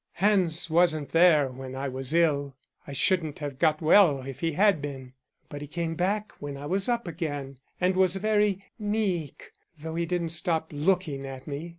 Hans wasn't there while I was ill; I shouldn't have got well if he had been; but he came back when I was up again and was very meek though he didn't stop looking at me.